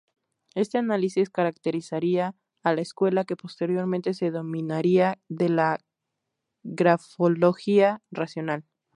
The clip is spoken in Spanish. Este análisis caracterizaría a la escuela que posteriormente se denominaría de la “Grafología Racional".